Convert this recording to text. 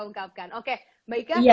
ungkapkan oke mba ika